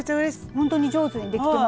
ほんとに上手にできてます。